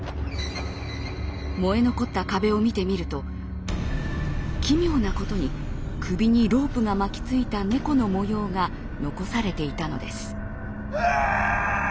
燃え残った壁を見てみると奇妙なことに首にロープが巻きついた猫の模様が残されていたのです。